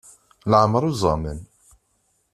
Leɛmer uẓamen.